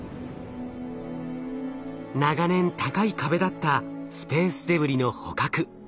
長年高い壁だったスペースデブリの捕獲。